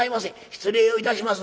失礼をいたします」。